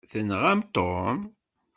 Tenɣam Tom?